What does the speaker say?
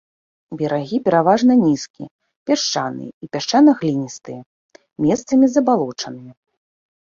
Берагі пераважна нізкія, пясчаныя і пясчана-гліністыя, месцамі забалочаныя.